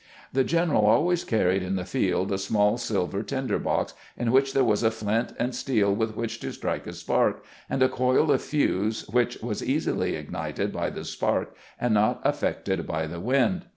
The general always carried in the field a small silver tinder box, in which there was a flint and steel with which to strike a spark, and a coil of fuse which was easily ignited by the spark and not affected by the wind.